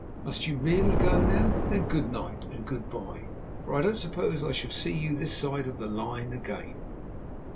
Must you really go now? Then good night, and good bye, for I don't suppose I shall see you this side of the Line again."